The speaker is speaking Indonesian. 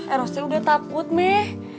erosnya udah takut meh